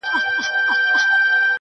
• قافیلې د ستورو وتړه سالاره..